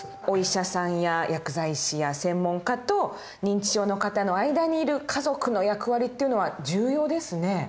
お医者さんや薬剤師や専門家と認知症の方の間にいる家族の役割っていうのは重要ですね。